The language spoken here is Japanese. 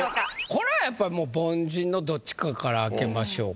これやっぱもう凡人のどっちかから開けましょうか。